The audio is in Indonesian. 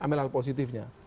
ambil yang positifnya